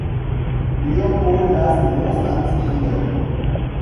Leopold had no sons either.